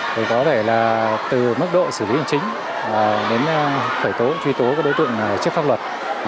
thì có thể là từ mức độ xử lý hành chính đến khởi tố truy tố của đối tượng chức pháp luật